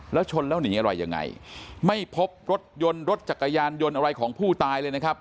แล้วชนแล้วหนีอะไรยังไงไม่พบรถยนต์รถจักรยานยนต์อะไรของผู้ตายเลยนะครับ